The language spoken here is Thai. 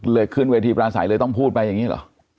เลยคืนเวทีปราสาทต้องพูดไปอย่างนี้หรอ